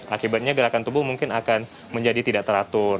akibatnya gerakan tubuh mungkin akan menjadi tidak teratur